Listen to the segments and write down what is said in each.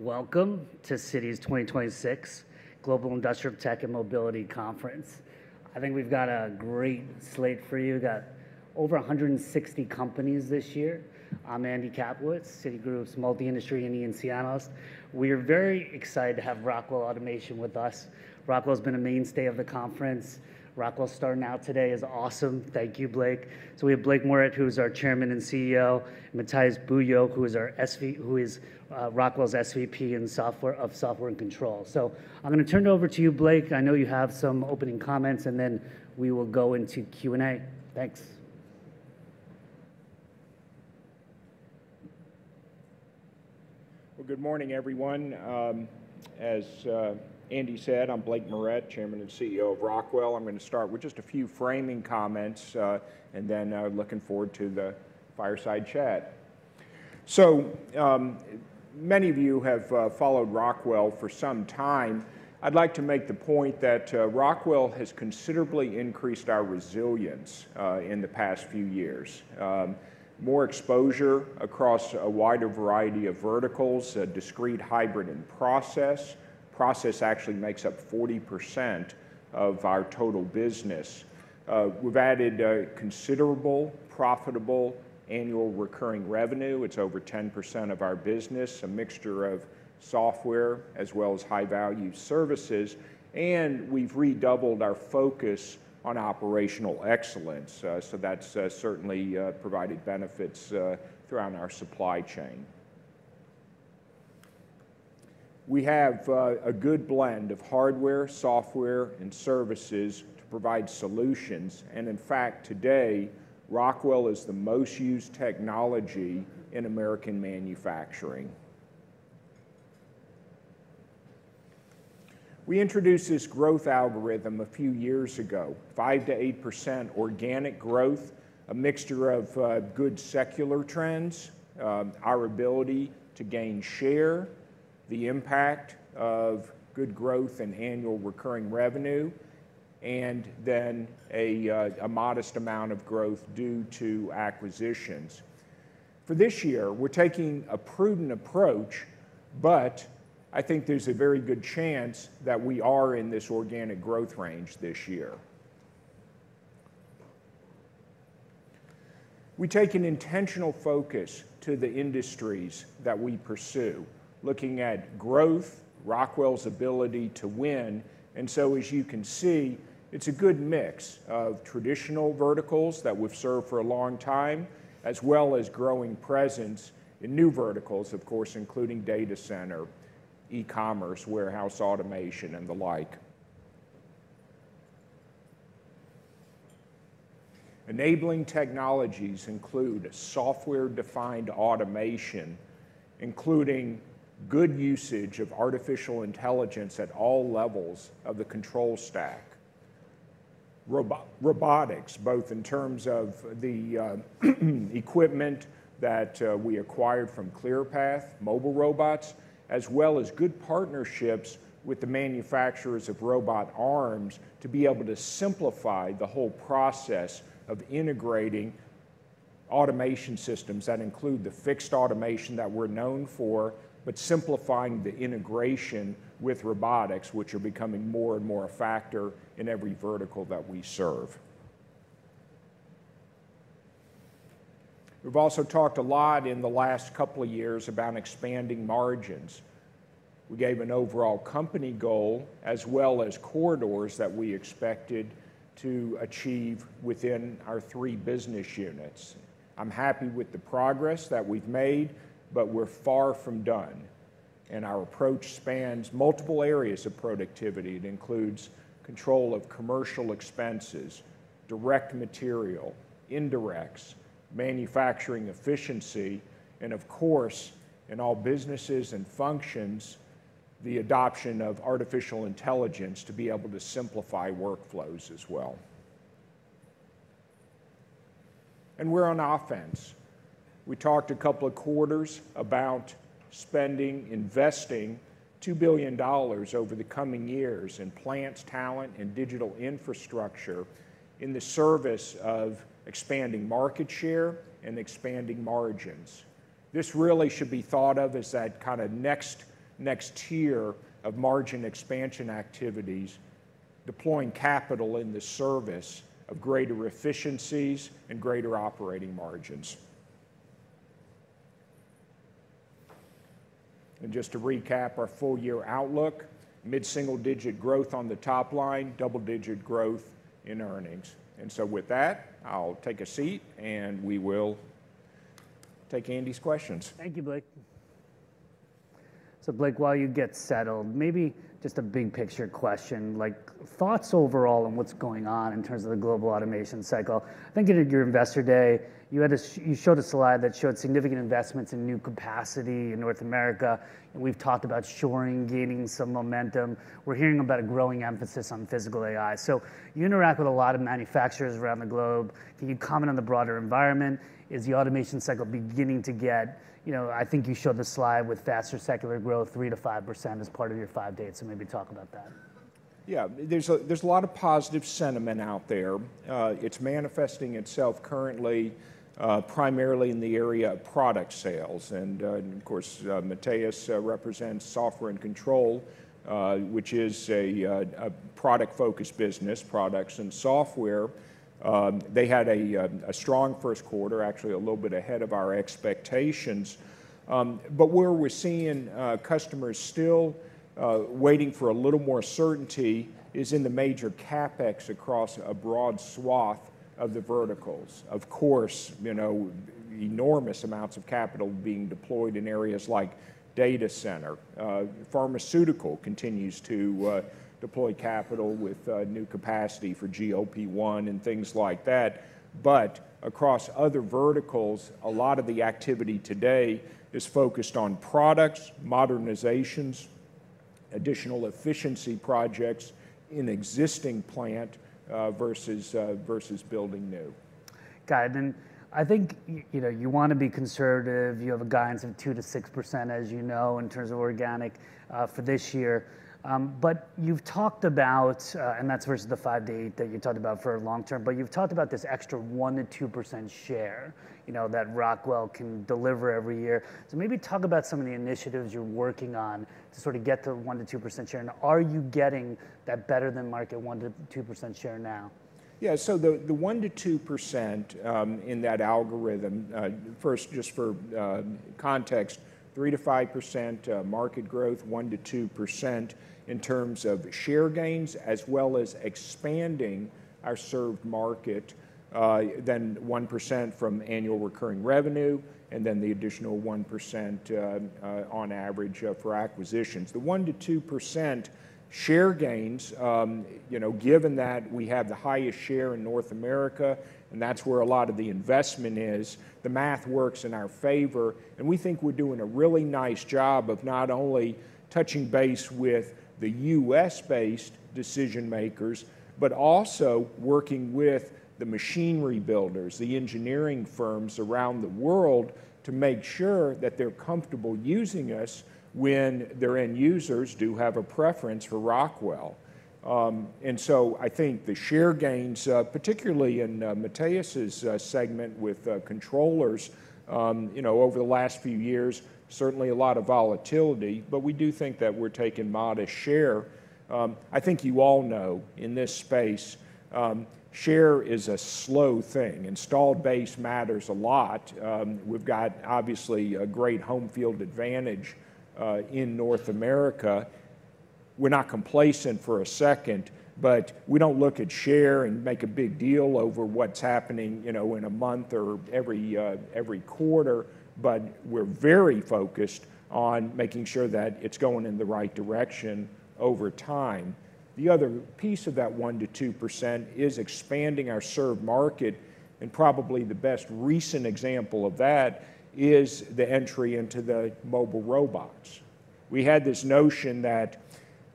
Welcome to Citi's 2026 Global Industrial Tech & Mobility Conference. I think we've got a great slate for you. We've got over 160 companies this year. I'm Andy Kaplowitz, Citigroup's Multi-Industry and Industrial Analyst. We are very excited to have Rockwell Automation with us. Rockwell has been a mainstay of the conference. Rockwell starting out today is awesome. Thank you, Blake. So we have Blake Moret, who is our chairman and CEO, Matheus Bulho, who is Rockwell's SVP of Software and Control. So I'm gonna turn it over to you, Blake. I know you have some opening comments, and then we will go into Q&A. Thanks. Well, good morning, everyone. As Andy said, I'm Blake Moret, Chairman and CEO of Rockwell. I'm gonna start with just a few framing comments, and then I'm looking forward to the fireside chat. So, many of you have followed Rockwell for some time. I'd like to make the point that Rockwell has considerably increased our resilience in the past few years. More exposure across a wider variety of verticals, a discrete hybrid and process. Process actually makes up 40% of our total business. We've added a considerable, profitable annual recurring revenue. It's over 10% of our business, a mixture of software as well as high-value services, and we've redoubled our focus on operational excellence. So that's certainly provided benefits throughout our supply chain. We have a good blend of hardware, software, and services to provide solutions, and in fact, today, Rockwell is the most used technology in American manufacturing. We introduced this growth algorithm a few years ago, 5%-8% organic growth, a mixture of good secular trends, our ability to gain share, the impact of good growth and annual recurring revenue, and then a modest amount of growth due to acquisitions. For this year, we're taking a prudent approach, but I think there's a very good chance that we are in this organic growth range this year. We take an intentional focus to the industries that we pursue, looking at growth, Rockwell's ability to win, and so as you can see, it's a good mix of traditional verticals that we've served for a long time, as well as growing presence in new verticals, of course, including data center, e-commerce, warehouse automation, and the like. Enabling technologies include software-defined automation, including good usage of artificial intelligence at all levels of the control stack. Robotics, both in terms of the equipment that we acquired from Clearpath, mobile robots, as well as good partnerships with the manufacturers of robot arms to be able to simplify the whole process of integrating automation systems that include the fixed automation that we're known for, but simplifying the integration with robotics, which are becoming more and more a factor in every vertical that we serve. We've also talked a lot in the last couple of years about expanding margins. We gave an overall company goal, as well as corridors that we expected to achieve within our three business units. I'm happy with the progress that we've made, but we're far from done, and our approach spans multiple areas of productivity. It includes control of commercial expenses, direct material, indirects, manufacturing efficiency, and of course, in all businesses and functions, the adoption of artificial intelligence to be able to simplify workflows as well. And we're on offense. We talked a couple of quarters about spending, investing $2 billion over the coming years in plants, talent, and digital infrastructure in the service of expanding market share and expanding margins. This really should be thought of as that kinda next tier of margin expansion activities, deploying capital in the service of greater efficiencies and greater operating margins. Just to recap our full-year outlook, mid-single-digit growth on the top line, double-digit growth in earnings. With that, I'll take a seat, and we will take Andy's questions. Thank you, Blake. So, Blake, while you get settled, maybe just a big-picture question, like, thoughts overall on what's going on in terms of the global automation cycle. I think in your Investor Day, you showed a slide that showed significant investments in new capacity in North America, and we've talked about reshoring gaining some momentum. We're hearing about a growing emphasis on physical AI. So you interact with a lot of manufacturers around the globe. Can you comment on the broader environment? Is the automation cycle beginning to get-- You know, I think you showed the slide with faster secular growth, 3%-5%, as part of your Investor Day, so maybe talk about that. Yeah, there's a lot of positive sentiment out there. It's manifesting itself currently primarily in the area of product sales. And of course, Matheus represents Software and Control, which is a product-focused business, products and software. They had a strong first quarter, actually a little bit ahead of our expectations. But where we're seeing customers still waiting for a little more certainty is in the major CapEx across a broad swath of the verticals. Of course, you know, enormous amounts of capital being deployed in areas like data center. Pharmaceutical continues to deploy capital with new capacity for GLP-1 and things like that. But across other verticals, a lot of the activity today is focused on products, modernizations, additional efficiency projects in existing plant, versus building new. Got it. And I think you know, you wanna be conservative. You have a guidance of 2%-6%, as you know, in terms of organic, for this year. But you've talked about, and that's versus the 5%-8% that you talked about for long term, but you've talked about this extra 1%-2% share, you know, that Rockwell can deliver every year. So maybe talk about some of the initiatives you're working on to sort of get to the 1%-2% share. And are you getting that better-than-market 1%-2% share now? Yeah, so the 1%-2% in that algorithm, first, just for context, 3%-5% market growth, 1%-2% in terms of share gains, as well as expanding our served market, then 1% from annual recurring revenue, and then the additional 1% on average for acquisitions. The 1%-2% share gains, you know, given that we have the highest share in North America, and that's where a lot of the investment is, the math works in our favor, and we think we're doing a really nice job of not only touching base with the U.S.-based decision-makers, but also working with the machinery builders, the engineering firms around the world, to make sure that they're comfortable using us when their end users do have a preference for Rockwell. And so I think the share gains, particularly in Matheus's segment with controllers, you know, over the last few years, certainly a lot of volatility, but we do think that we're taking modest share. I think you all know, in this space, share is a slow thing. Installed base matters a lot. We've got, obviously, a great home field advantage in North America. We're not complacent for a second, but we don't look at share and make a big deal over what's happening, you know, in a month or every quarter. But we're very focused on making sure that it's going in the right direction over time. The other piece of that 1%-2% is expanding our served market, and probably the best recent example of that is the entry into the mobile robots. We had this notion that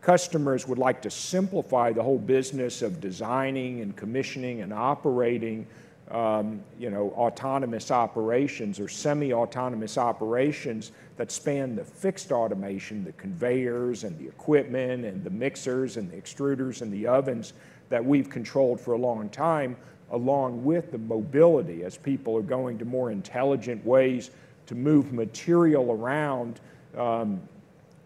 customers would like to simplify the whole business of designing and commissioning and operating, you know, autonomous operations or semi-autonomous operations that span the fixed automation, the conveyors, and the equipment, and the mixers, and the extruders, and the ovens that we've controlled for a long time, along with the mobility, as people are going to more intelligent ways to move material around,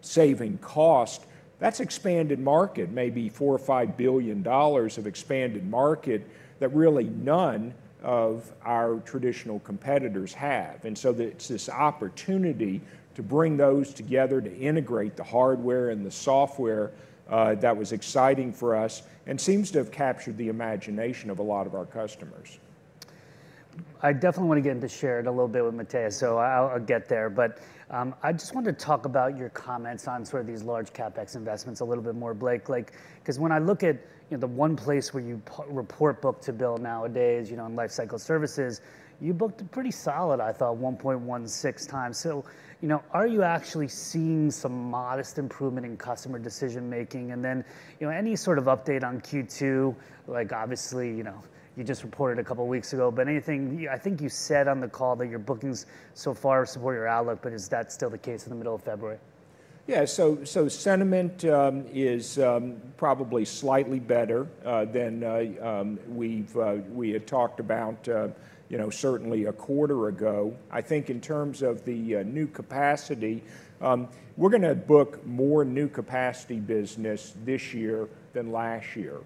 saving cost. That's expanded market. Maybe $4 billion or $5 billion of expanded market that really none of our traditional competitors have. And so there's this opportunity to bring those together, to integrate the hardware and the software, that was exciting for us and seems to have captured the imagination of a lot of our customers. I definitely want to get into that a little bit with Matheus, so I'll get there. But I just wanted to talk about your comments on sort of these large CapEx investments a little bit more, Blake. Like, 'cause when I look at, you know, the one place where you report book-to-bill nowadays, you know, in Lifecycle Services, you booked a pretty solid, I thought, 1.16x. So, you know, are you actually seeing some modest improvement in customer decision-making? And then, you know, any sort of update on Q2? Like, obviously, you know, you just reported a couple of weeks ago, but anything—I think you said on the call that your bookings so far support your outlook, but is that still the case in the middle of February? Yeah, so sentiment is probably slightly better than we had talked about, you know, certainly a quarter ago. I think in terms of the new capacity, we're gonna book more new capacity business this year than last year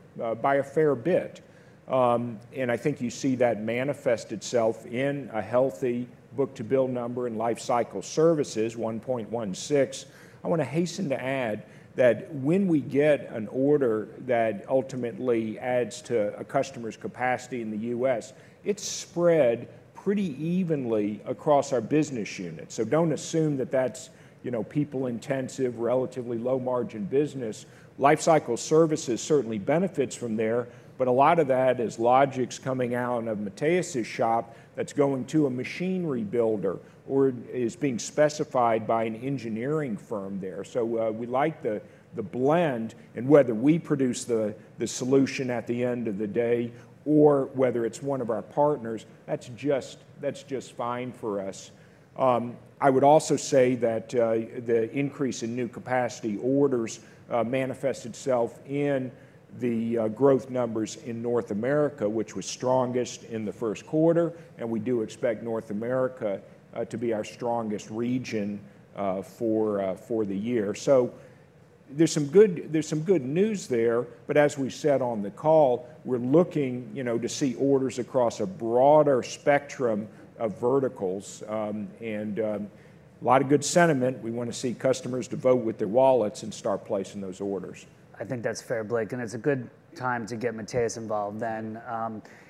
by a fair bit. And I think you see that manifest itself in a healthy book-to-bill number in Lifecycle Services, 1.16x. I want to hasten to add that when we get an order that ultimately adds to a customer's capacity in the U.S., it's spread pretty evenly across our business units. So don't assume that that's, you know, people-intensive, relatively low-margin business. Lifecycle Services certainly benefits from there, but a lot of that is Logix coming out of Matheus's shop that's going to a machinery builder or is being specified by an engineering firm there. So, we like the blend, and whether we produce the solution at the end of the day or whether it's one of our partners, that's just fine for us. I would also say that the increase in new capacity orders manifests itself in the growth numbers in North America, which was strongest in the first quarter, and we do expect North America to be our strongest region for the year. There's some good news there, but as we said on the call, we're looking, you know, to see orders across a broader spectrum of verticals. And a lot of good sentiment. We want to see customers to vote with their wallets and start placing those orders. I think that's fair, Blake, and it's a good time to get Matheus involved then.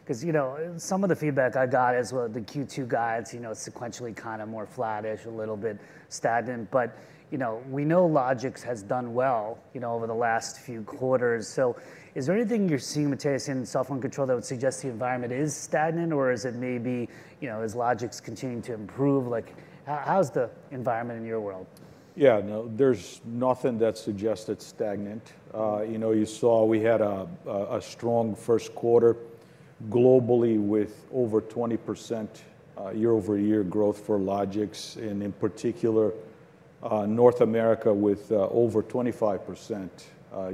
'Cause, you know, some of the feedback I got as well, the Q2 guides, you know, sequentially kind of more flattish, a little bit stagnant, but, you know, we know Logix has done well, you know, over the last few quarters. So is there anything you're seeing, Matheus, in Software and Control that would suggest the environment is stagnant, or is it maybe, you know, as Logix continue to improve? Like, how's the environment in your world? Yeah, no, there's nothing that suggests it's stagnant. You know, you saw we had a strong first quarter globally with over 20% year-over-year growth for Logix, and in particular, North America with over 25%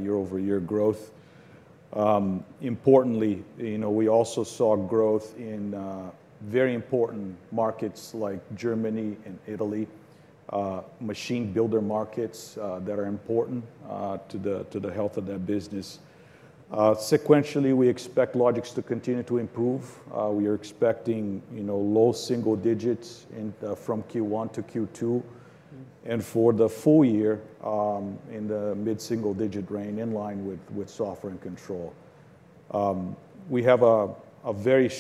year-over-year growth. Importantly, you know, we also saw growth in very important markets like Germany and Italy, machine builder markets that are important to the health of that business. Sequentially, we expect Logix to continue to improve. We are expecting, you know, low single digits from Q1 to Q2, and for the full year, in the mid-single-digit range, in line with Software and Control. We have a very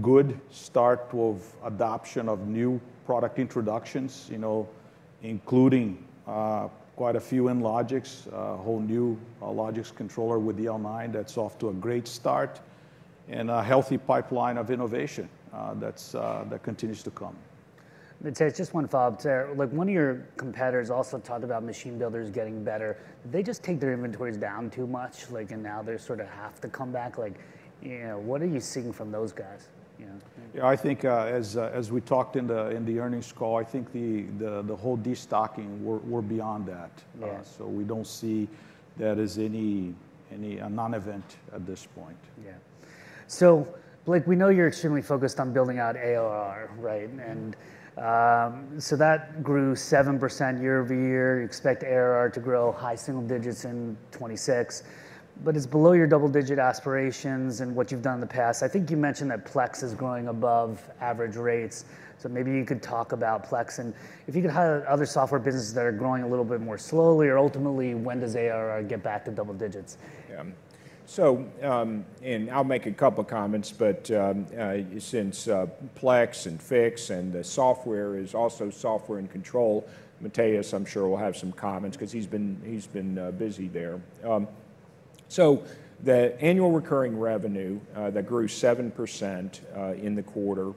good start of adoption of new product introductions, you know, including quite a few in Logix, a whole new Logix controller with the L9 that's off to a great start, and a healthy pipeline of innovation that continues to come. Matheus, just one follow-up there. Like, one of your competitors also talked about machine builders getting better. Did they just take their inventories down too much, like, and now they sort of have to come back? Like, you know, what are you seeing from those guys, you know? Yeah, I think, as we talked in the earnings call, I think the whole destocking, we're beyond that. Yeah. So we don't see that as any... a non-event at this point. Yeah. So, Blake, we know you're extremely focused on building out ARR, right? And, so that grew 7% year-over-year. You expect ARR to grow high single digits in 2026, but it's below your double-digit aspirations and what you've done in the past. I think you mentioned that Plex is growing above average rates, so maybe you could talk about Plex, and if you could highlight other software businesses that are growing a little bit more slowly, or ultimately, when does ARR get back to double digits? Yeah. So, and I'll make a couple comments, but since Plex and Fiix and the software is also Software and Control, Matheus, I'm sure, will have some comments 'cause he's been busy there. So the annual recurring revenue that grew 7% in the quarter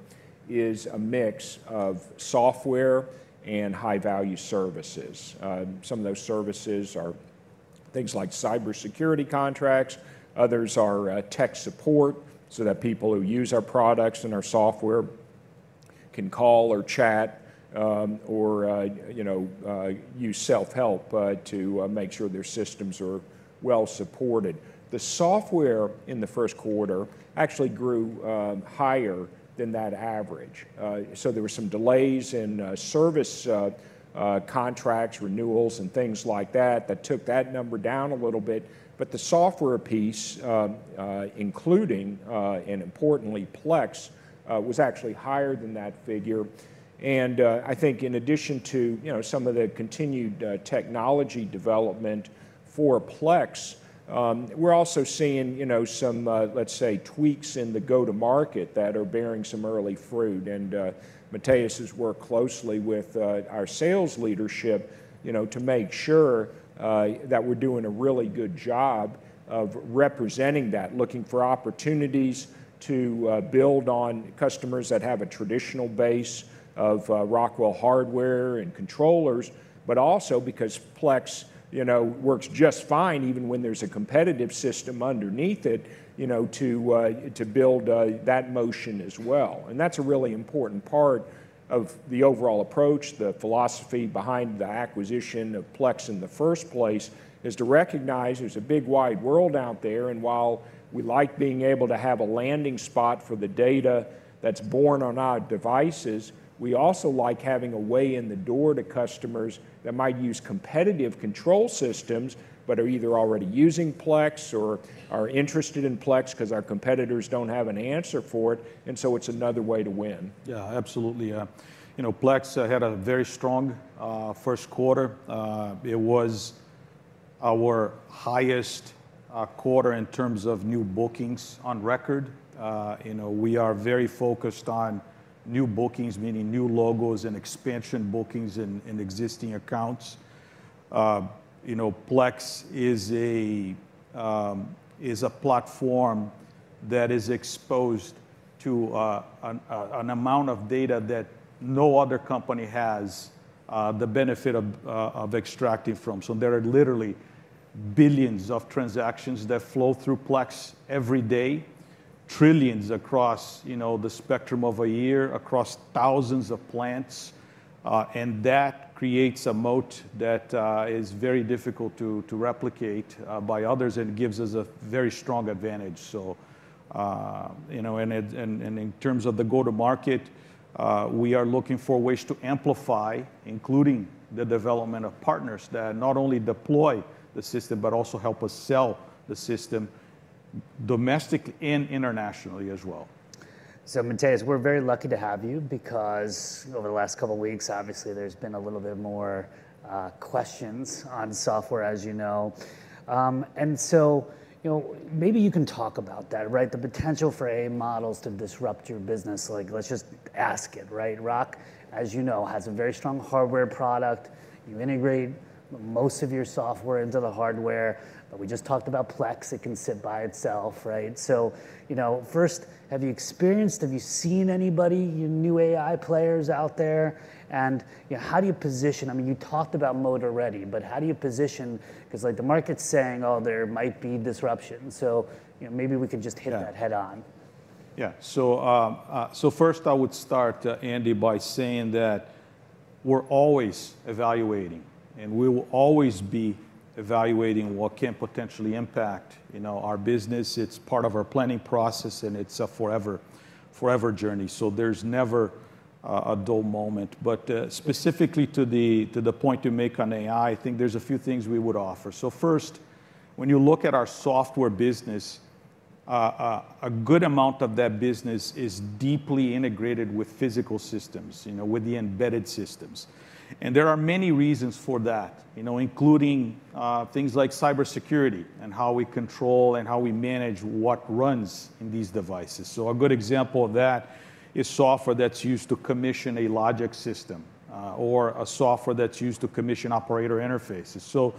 is a mix of software and high-value services. Some of those services are things like cybersecurity contracts. Others are tech support, so that people who use our products and our software can call or chat, or you know, use self-help to make sure their systems are well supported. The software in the first quarter actually grew higher than that average. So there were some delays in service contract renewals, and things like that, that took that number down a little bit. But the software piece, including and importantly, Plex, was actually higher than that figure. And, I think in addition to, you know, some of the continued technology development for Plex, we're also seeing, you know, some, let's say, tweaks in the go-to-market that are bearing some early fruit. And, Matheus has worked closely with our sales leadership, you know, to make sure that we're doing a really good job of representing that, looking for opportunities to build on customers that have a traditional base of Rockwell hardware and controllers, but also because Plex, you know, works just fine, even when there's a competitive system underneath it, you know, to build that motion as well. And that's a really important part of the overall approach. The philosophy behind the acquisition of Plex in the first place is to recognize there's a big, wide world out there, and while we like being able to have a landing spot for the data that's born on our devices, we also like having a way in the door to customers that might use competitive control systems but are either already using Plex or are interested in Plex 'cause our competitors don't have an answer for it, and so it's another way to win. Yeah, absolutely. You know, Plex had a very strong first quarter. It was our highest quarter in terms of new bookings on record. You know, we are very focused on new bookings, meaning new logos and expansion bookings in existing accounts. You know, Plex is a platform that is exposed to an amount of data that no other company has the benefit of extracting from. So there are literally billions of transactions that flow through Plex every day, trillions across the spectrum of a year, across thousands of plants, and that creates a moat that is very difficult to replicate by others and gives us a very strong advantage. So, you know, and it-- And in terms of the go-to-market, we are looking for ways to amplify, including the development of partners that not only deploy the system but also help us sell the system-- domestic and internationally as well. So Matheus, we're very lucky to have you, because over the last couple of weeks, obviously there's been a little bit more questions on software, as you know. And so, you know, maybe you can talk about that, right? The potential for AI models to disrupt your business, like, let's just ask it, right? Rock, as you know, has a very strong hardware product. You integrate most of your software into the hardware, but we just talked about Plex, it can sit by itself, right? So, you know, first, have you experienced, have you seen anybody, you know, new AI players out there? And, you know, how do you position—I mean, you talked about mode already, but how do you position? 'Cause, like, the market's saying, "Oh, there might be disruption." So, you know, maybe we could just hit that head-on. Yeah. So first I would start, Andy, by saying that we're always evaluating, and we will always be evaluating what can potentially impact, you know, our business. It's part of our planning process, and it's a forever, forever journey, so there's never a dull moment. But specifically to the point you make on AI, I think there's a few things we would offer. So first, when you look at our software business, a good amount of that business is deeply integrated with physical systems, you know, with the embedded systems. And there are many reasons for that, you know, including things like cybersecurity and how we control and how we manage what runs in these devices. So a good example of that is software that's used to commission a Logix system, or a software that's used to commission operator interfaces. So,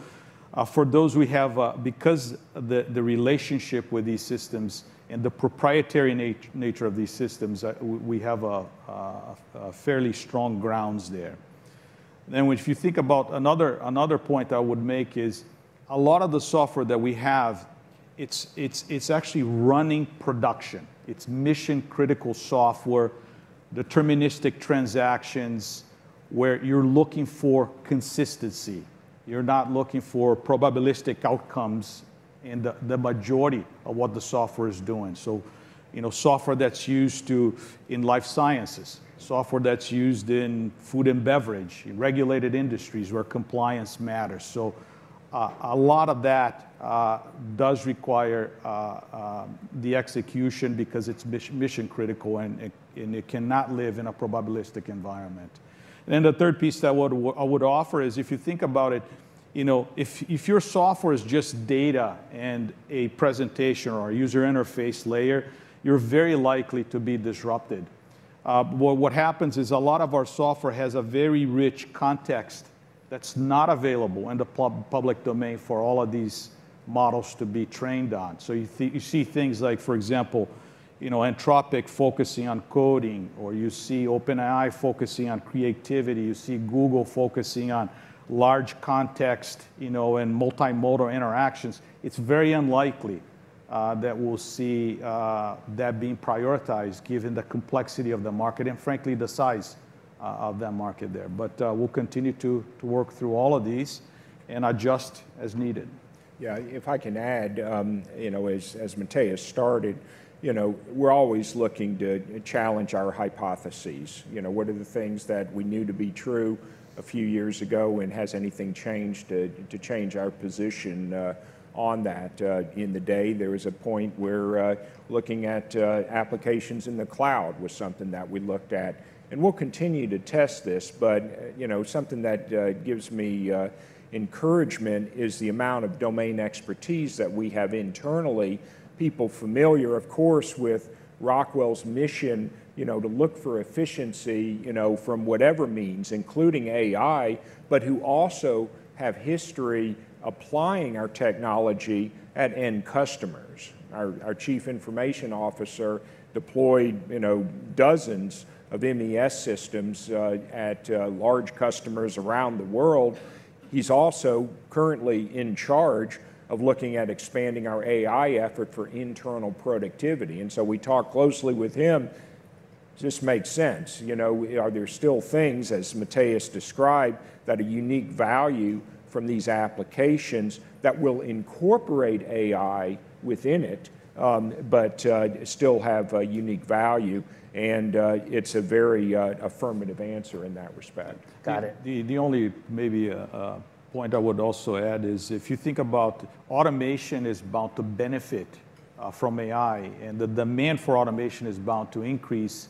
for those we have, because the relationship with these systems and the proprietary nature of these systems, we have a fairly strong ground there. Then if you think about-- Another point I would make is, a lot of the software that we have, it's actually running production. It's mission-critical software, deterministic transactions, where you're looking for consistency. You're not looking for probabilistic outcomes in the majority of what the software is doing. So, you know, software that's used in life sciences, software that's used in food and beverage, in regulated industries where compliance matters. So, a lot of that does require the execution because it's mission critical and it cannot live in a probabilistic environment. Then the third piece that I would offer is, if you think about it, you know, if your software is just data and a presentation or a user interface layer, you're very likely to be disrupted. But what happens is a lot of our software has a very rich context that's not available in the public domain for all of these models to be trained on. So you see things like, for example, you know, Anthropic focusing on coding, or you see OpenAI focusing on creativity, you see Google focusing on large context, you know, and multimodal interactions. It's very unlikely that we'll see that being prioritized given the complexity of the market and frankly, the size of that market there. But we'll continue to work through all of these and adjust as needed. Yeah, if I can add, you know, as Matheus started, you know, we're always looking to challenge our hypotheses. You know, what are the things that we knew to be true a few years ago, and has anything changed to change our position on that? In the day, there was a point where looking at applications in the cloud was something that we looked at. And we'll continue to test this, but you know, something that gives me encouragement is the amount of domain expertise that we have internally. People familiar, of course, with Rockwell's mission, you know, to look for efficiency, you know, from whatever means, including AI, but who also have history applying our technology at end customers. Our Chief Information Officer deployed, you know, dozens of MES systems at large customers around the world. He's also currently in charge of looking at expanding our AI effort for internal productivity, and so we talk closely with him. Just makes sense, you know? There's still things, as Matheus described, that a unique value from these applications that will incorporate AI within it, but still have a unique value, and it's a very affirmative answer in that respect. Got it. The only maybe point I would also add is, if you think about automation is bound to benefit from AI, and the demand for automation is bound to increase,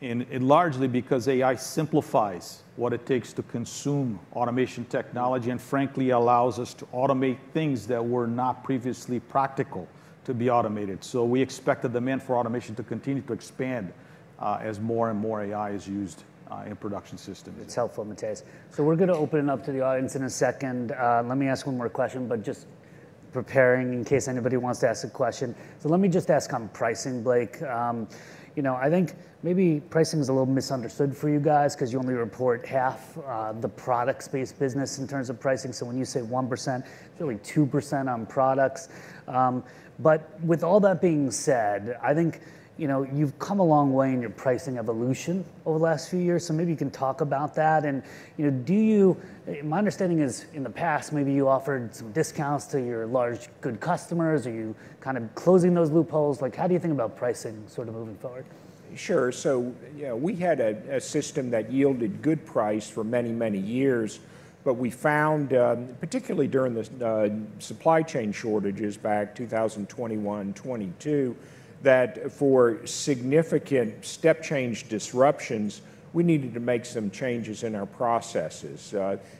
and largely because AI simplifies what it takes to consume automation technology, and frankly, allows us to automate things that were not previously practical to be automated. So we expect the demand for automation to continue to expand, as more and more AI is used in production systems. It's helpful, Matheus. So we're gonna open it up to the audience in a second. Let me ask one more question, but just preparing in case anybody wants to ask a question. So let me just ask on pricing, Blake. You know, I think maybe pricing is a little misunderstood for you guys 'cause you only report half the products-based business in terms of pricing. So when you say 1%, it's really 2% on products. But with all that being said, I think, you know, you've come a long way in your pricing evolution over the last few years, so maybe you can talk about that. And, you know, do you, my understanding is, in the past, maybe you offered some discounts to your large, good customers. Are you kind of closing those loopholes? Like, how do you think about pricing sort of moving forward? Sure. So, yeah, we had a system that yielded good price for many, many years, but we found, particularly during the supply chain shortages back 2021, 2022, that for significant step-change disruptions, we needed to make some changes in our processes.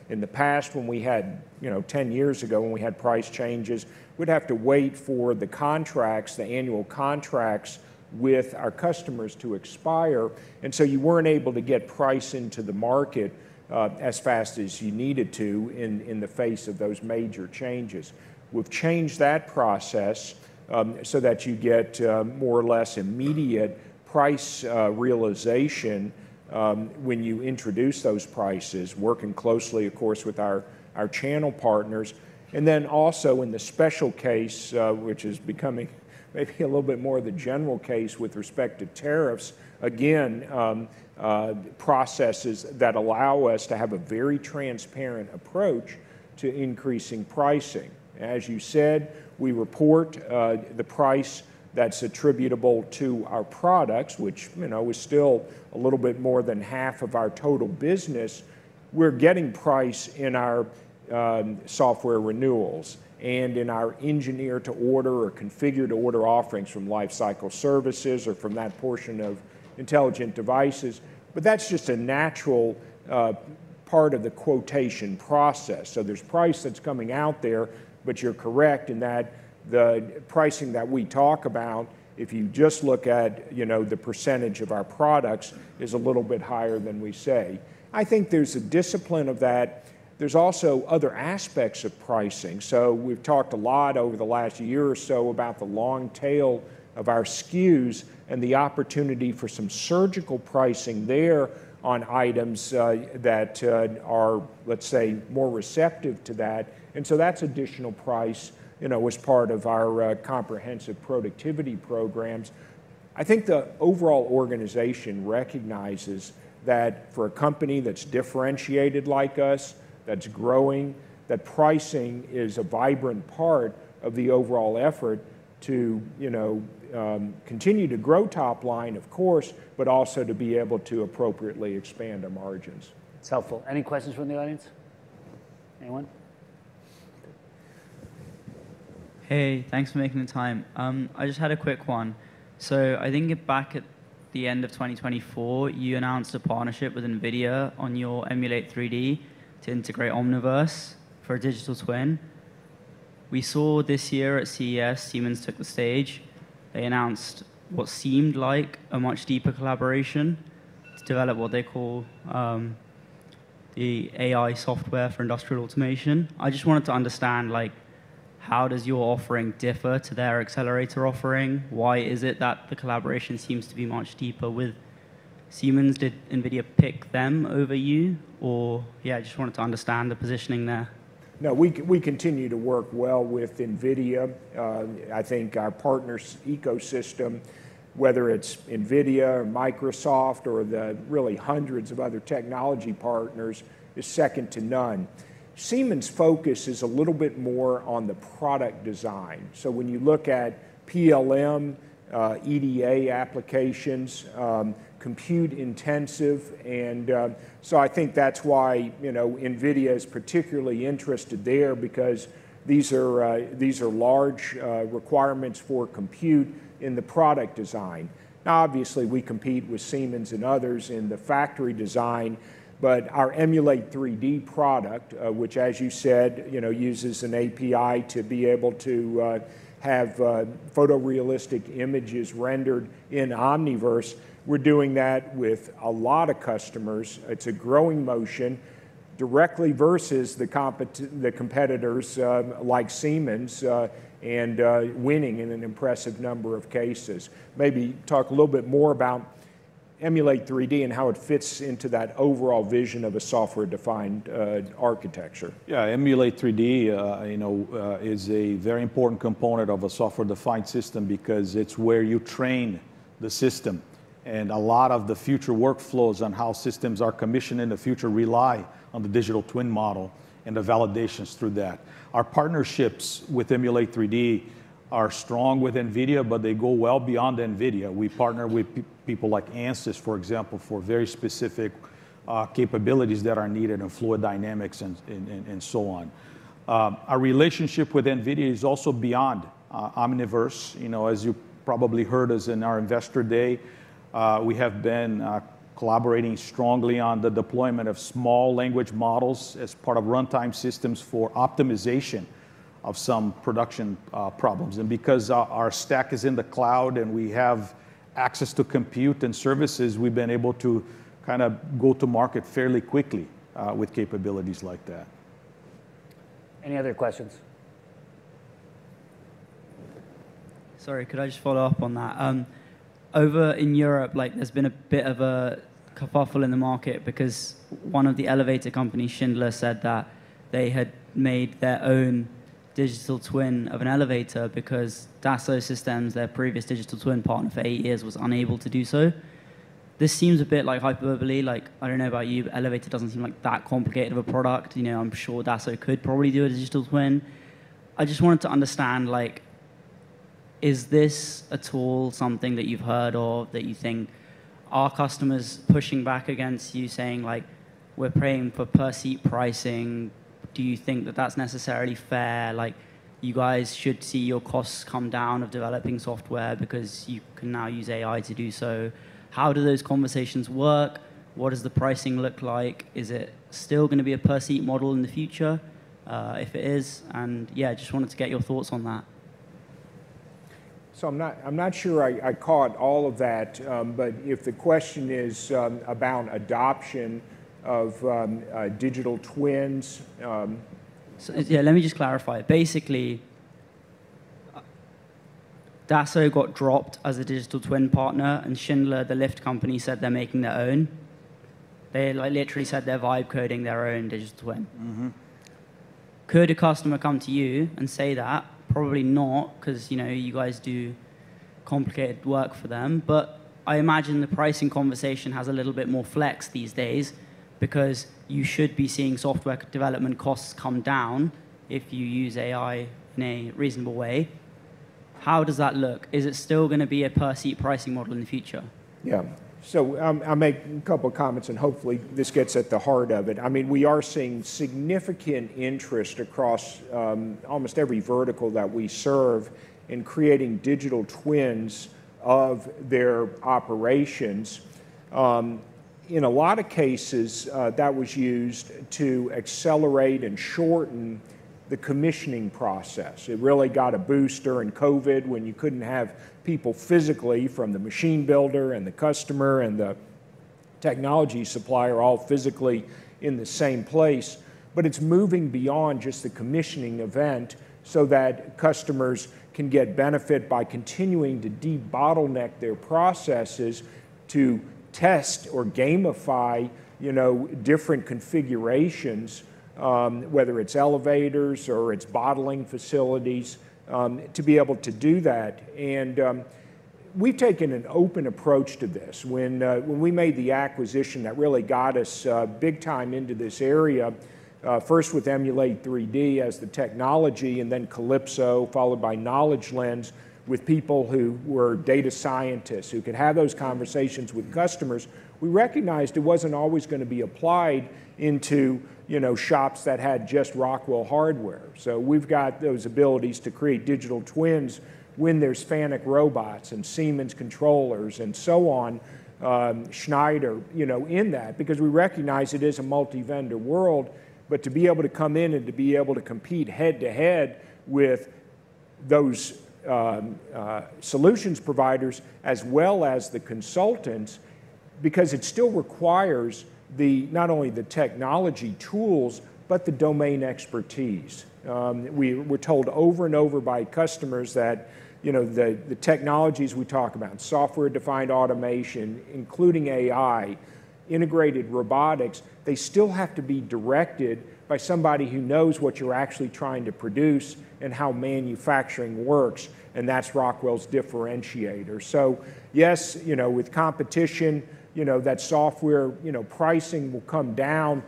In the past, when we had-- You know, 10 years ago, when we had price changes, we'd have to wait for the contracts, the annual contracts, with our customers to expire, and so you weren't able to get price into the market, as fast as you needed to in the face of those major changes. We've changed that process, so that you get more or less immediate price realization when you introduce those prices, working closely, of course, with our channel partners. And then also in the special case, which is becoming maybe a little bit more of the general case with respect to tariffs, again, processes that allow us to have a very transparent approach to increasing pricing. As you said, we report the price that's attributable to our products, which, you know, is still a little bit more than half of our total business. We're getting price in our software renewals and in our engineer-to-order or configure-to-order offerings from Lifecycle Services or from that portion of Intelligent Devices. But that's just a natural part of the quotation process. So there's price that's coming out there, but you're correct in that the pricing that we talk about, if you just look at, you know, the percentage of our products, is a little bit higher than we say. I think there's a discipline of that. There's also other aspects of pricing. So we've talked a lot over the last year or so about the long tail of our SKUs and the opportunity for some surgical pricing there on items that are, let's say, more receptive to that. And so that's additional price, you know, as part of our comprehensive productivity programs. I think the overall organization recognizes that for a company that's differentiated like us, that's growing, that pricing is a vibrant part of the overall effort to, you know, continue to grow top line, of course, but also to be able to appropriately expand our margins. It's helpful. Any questions from the audience? Anyone? Hey, thanks for making the time. I just had a quick one. So I think back at the end of 2024, you announced a partnership with NVIDIA on your Emulate3D to integrate Omniverse for a digital twin. We saw this year at CES, Siemens took the stage. They announced what seemed like a much deeper collaboration to develop what they call the AI software for industrial automation. I just wanted to understand, like, how does your offering differ to their accelerator offering? Why is it that the collaboration seems to be much deeper with Siemens? Did NVIDIA pick them over you, or-- Yeah, I just wanted to understand the positioning there. No, we continue to work well with NVIDIA. I think our partners' ecosystem, whether it's NVIDIA or Microsoft or the really hundreds of other technology partners, is second to none. Siemens' focus is a little bit more on the product design. So when you look at PLM, EDA applications, compute-intensive, and-- So I think that's why, you know, NVIDIA is particularly interested there, because these are, these are large, requirements for compute in the product design. Now, obviously, we compete with Siemens and others in the factory design, but our Emulate3D product, which, as you said, you know, uses an API to be able to, have photorealistic images rendered in Omniverse, we're doing that with a lot of customers. It's a growing motion, directly versus the competitors, like Siemens, and winning in an impressive number of cases. Maybe talk a little bit more about Emulate3D and how it fits into that overall vision of a software-defined architecture. Yeah, Emulate3D, you know, is a very important component of a software-defined system because it's where you train the system, and a lot of the future workflows on how systems are commissioned in the future rely on the digital twin model and the validations through that. Our partnerships with Emulate3D are strong with NVIDIA, but they go well beyond NVIDIA. We partner with people like Ansys, for example, for very specific capabilities that are needed in fluid dynamics and so on. Our relationship with NVIDIA is also beyond Omniverse. You know, as you probably heard us in our Investor Day, we have been collaborating strongly on the deployment of small language models as part of runtime systems for optimization of some production problems. Because our stack is in the cloud and we have access to compute and services, we've been able to kind of go to market fairly quickly with capabilities like that. Any other questions? Sorry, could I just follow up on that? Over in Europe, like, there's been a bit of a kerfuffle in the market, because one of the elevator companies, Schindler, said that they had made their own digital twin of an elevator because Dassault Systèmes, their previous digital twin partner for eight years, was unable to do so. This seems a bit, like, hyperbole. Like, I don't know about you, but elevator doesn't seem like that complicated of a product, you know? I'm sure Dassault could probably do a digital twin. I just wanted to understand, like, is this at all something that you've heard of, that you think-- Are customers pushing back against you, saying, like, "We're paying for per-seat pricing." Do you think that that's necessarily fair? Like, you guys should see your costs come down of developing software, because you can now use AI to do so. How do those conversations work? What does the pricing look like? Is it still gonna be a per-seat model in the future, if it is? And yeah, just wanted to get your thoughts on that. So I'm not sure I caught all of that, but if the question is about adoption of digital twins. So, yeah, let me just clarify. Basically, Dassault got dropped as a digital twin partner, and Schindler, the lift company, said they're making their own. They, like, literally said they're vibe coding their own digital twin. Could a customer come to you and say that? Probably not, 'cause, you know, you guys do complicated work for them. But I imagine the pricing conversation has a little bit more flex these days, because you should be seeing software development costs come down if you use AI in a reasonable way. How does that look? Is it still gonna be a per-seat pricing model in the future? Yeah. So, I'll make a couple of comments, and hopefully this gets at the heart of it. I mean, we are seeing significant interest across, almost every vertical that we serve in creating digital twins of their operations. In a lot of cases, that was used to accelerate and shorten the commissioning process. It really got a boost during COVID, when you couldn't have people physically from the machine builder, and the customer, and the technology supplier all physically in the same place. But it's moving beyond just the commissioning event, so that customers can get benefit by continuing to debottleneck their processes to test or gamify, you know, different configurations, whether it's elevators or it's bottling facilities, to be able to do that. And, we've taken an open approach to this. When we made the acquisition that really got us big time into this area, first with Emulate3D as the technology, and then Kalypso, followed by Knowledge Lens, with people who were data scientists, who could have those conversations with customers, we recognized it wasn't always gonna be applied into, you know, shops that had just Rockwell hardware. So we've got those abilities to create digital twins when there's FANUC robots, and Siemens controllers, and so on, Schneider, you know, in that, because we recognize it is a multi-vendor world. But to be able to come in and to be able to compete head-to-head with those, solutions providers, as well as the consultants, because it still requires the-- not only the technology tools, but the domain expertise. We were told over and over by customers that, you know, the technologies we talk about, software-defined automation, including AI, integrated robotics, they still have to be directed by somebody who knows what you're actually trying to produce and how manufacturing works, and that's Rockwell's differentiator. So yes, you know, with competition, you know, that software, you know, pricing will come down.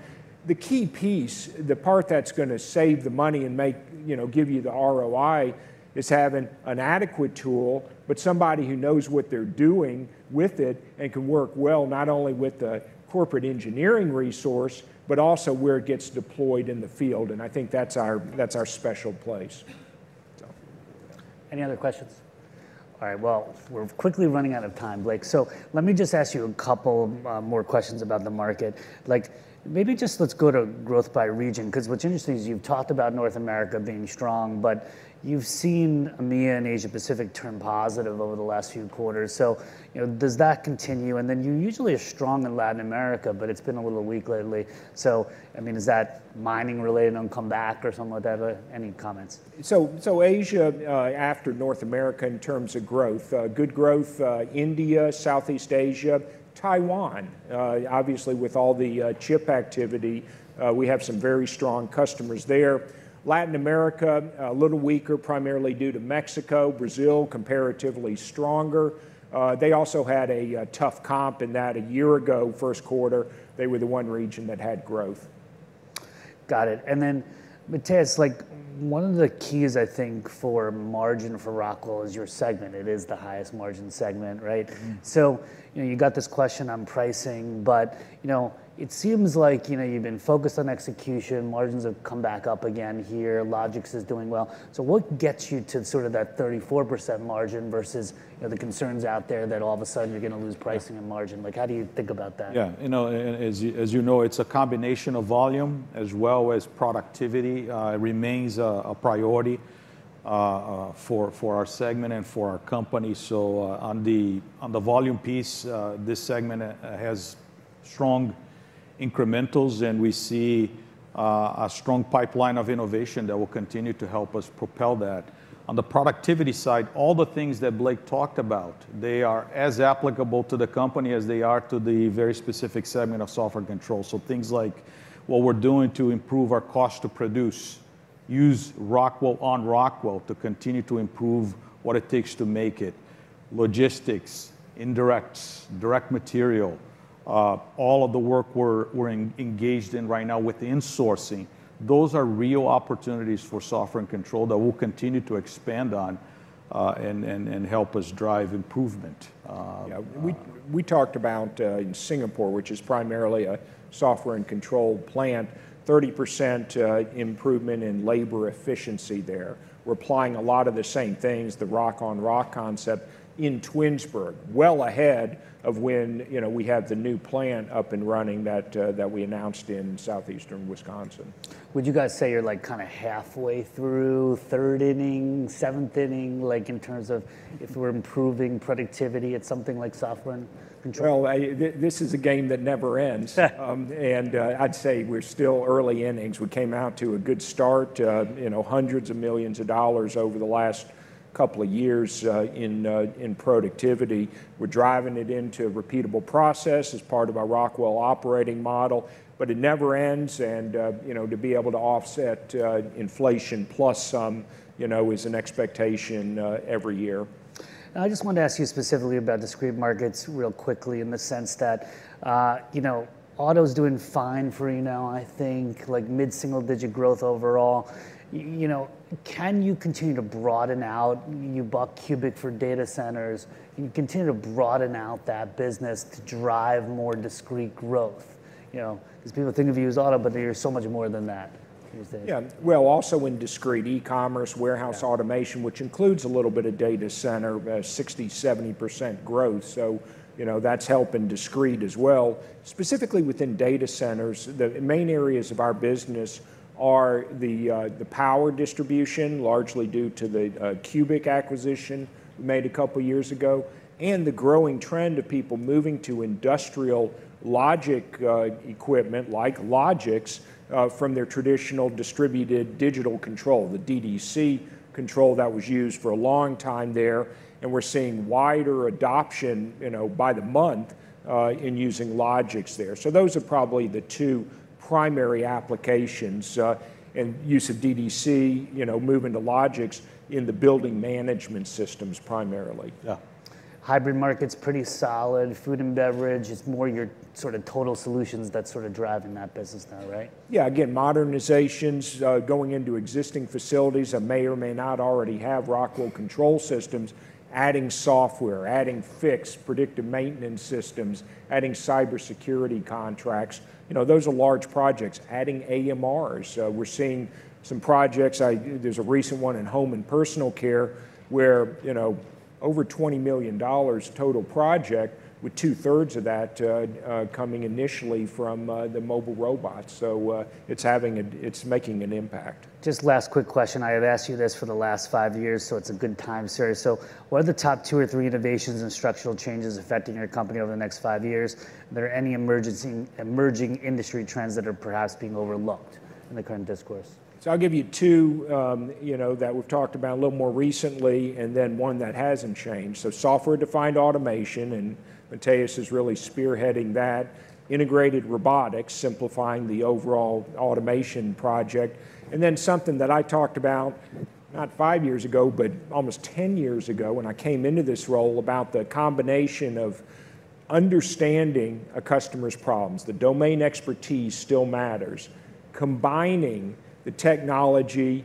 The key piece, the part that's gonna save the money and make-- you know, give you the ROI, is having an adequate tool, but somebody who knows what they're doing with it and can work well, not only with the corporate engineering resource, but also where it gets deployed in the field, and I think that's our, that's our special place. Any other questions? All right, well, we're quickly running out of time, Blake, so let me just ask you a couple more questions about the market. Like, maybe just let's go to growth by region, 'cause what's interesting is you've talked about North America being strong, but you've seen EMEA and Asia Pacific turn positive over the last few quarters, so, you know, does that continue? And then you usually are strong in Latin America, but it's been a little weak lately. So, I mean, is that mining related and come back or something like that? Any comments? Asia, after North America in terms of growth, good growth, India, Southeast Asia, Taiwan, obviously with all the chip activity, we have some very strong customers there. Latin America, a little weaker, primarily due to Mexico. Brazil, comparatively stronger. They also had a tough comp in that a year ago, first quarter, they were the one region that had growth. Got it. And then, Matheus, like, one of the keys I think for margin for Rockwell is your segment. It is the highest margin segment, right? So, you know, you got this question on pricing, but, you know, it seems like, you know, you've been focused on execution. Margins have come back up again here. Logix is doing well. So what gets you to sort of that 34% margin versus, you know, the concerns out there that all of a sudden you're gonna lose pricing and margin? Like, how do you think about that? Yeah, you know, as you know, it's a combination of volume as well as productivity. It remains a priority for our segment and for our company. So, on the volume piece, this segment has strong incrementals, and we see a strong pipeline of innovation that will continue to help us propel that. On the productivity side, all the things that Blake talked about, they are as applicable to the company as they are to the very specific segment of Software and Control. So things like what we're doing to improve our cost to produce, use Rockwell on Rockwell to continue to improve what it takes to make it, logistics, indirects, direct material, all of the work we're engaged in right now with insourcing, those are real opportunities for Software and Control that we'll continue to expand on, and help us drive improvement. Yeah, we talked about in Singapore, which is primarily a Software and Control plant, 30% improvement in labor efficiency there. We're applying a lot of the same things, the Rock on Rock concept, in Twinsburg, well ahead of when, you know, we had the new plant up and running that we announced in Southeastern Wisconsin. Would you guys say you're, like, kind of halfway through, third inning, seventh inning, like, in terms of if we're improving productivity at something like software and control? Well, this is a game that never ends. I'd say we're still early innings. We came out to a good start, you know, hundreds of millions of dollars over the last couple of years in productivity. We're driving it into a repeatable process as part of our Rockwell operating model, but it never ends, and you know, to be able to offset inflation plus some, you know, is an expectation every year. I just wanted to ask you specifically about discrete markets real quickly in the sense that, you know, auto's doing fine for you now, I think, like, mid-single-digit growth overall. You know, can you continue to broaden out. You bought CUBIC for data centers. Can you continue to broaden out that business to drive more discrete growth? You know, because people think of you as auto, but you're so much more than that these days. Yeah. Well, also in discrete, e-commerce-warehouse automation, which includes a little bit of data center, about 60%-70% growth, so, you know, that's helping discrete as well. Specifically, within data centers, the main areas of our business are the, the power distribution, largely due to the, CUBIC acquisition we made a couple years ago, and the growing trend of people moving to industrial logic equipment, like Logix, from their traditional distributed digital control, the DDC control that was used for a long time there, and we're seeing wider adoption, you know, by the month, in using Logix there. So those are probably the two primary applications, and use of DDC, you know, moving to Logix in the building management systems primarily. Yeah. Hybrid market's pretty solid, food and beverage. It's more your sort of total solutions that's sort of driving that business now, right? Yeah, again, modernizations going into existing facilities that may or may not already have Rockwell control systems, adding software, adding Fiix predictive maintenance systems, adding cybersecurity contracts, you know, those are large projects. Adding AMRs, we're seeing some projects. There's a recent one in home and personal care where, you know, over $20 million total project, with 2/3 of that coming initially from the mobile robots, so it's making an impact. Just last quick question. I have asked you this for the last five years, so it's a good time series. So what are the top two or three innovations and structural changes affecting your company over the next five years? Are there any emerging, emerging industry trends that are perhaps being overlooked in the current discourse? So I'll give you two, you know, that we've talked about a little more recently and then one that hasn't changed. So Software-Defined Automation, and Matheus is really spearheading that, integrated robotics, simplifying the overall automation project, and then something that I talked about, not five years ago, but almost 10 years ago when I came into this role, about the combination of understanding a customer's problems, the domain expertise still matters, combining the technology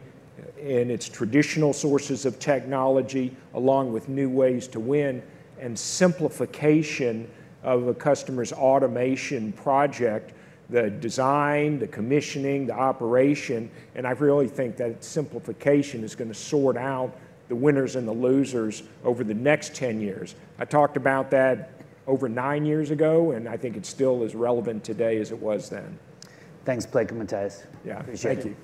and its traditional sources of technology, along with new ways to win, and simplification of a customer's automation project, the design, the commissioning, the operation, and I really think that simplification is gonna sort out the winners and the losers over the next 10 years. I talked about that over nine years ago, and I think it's still as relevant today as it was then. Thanks, Blake and Matheus. Yeah. Appreciate it. Thank you.